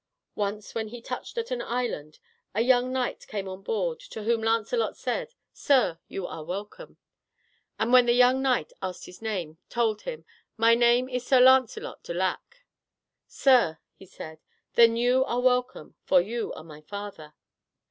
Once, when he touched at an island, a young knight came on board to whom Lancelot said, "Sir, you are welcome," and when the young knight asked his name, told him, "My name is Sir Lancelot du Lac." "Sir," he said, "then you are welcome, for you are my father."